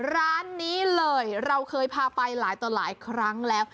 ร้านนี้เลยเราเคยพาไปหลายต่อหลายครั้งแล้ว